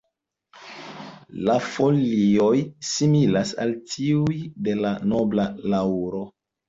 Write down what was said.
La folioj similas al tiuj de la nobla laŭro.